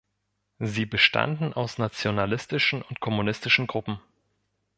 Sie bestanden aus nationalistischen und kommunistischen Gruppen.